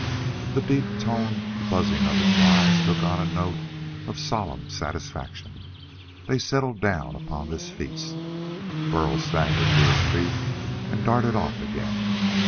The deep toned buzzing of the flies took on a note of solemn satisfaction. They settled down upon this feast. Burl staggered to his feet and darted off again.